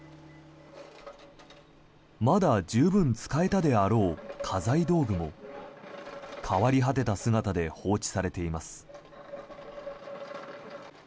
まだ十分使えたであろう家財道具も変わり果てた姿で放置されています。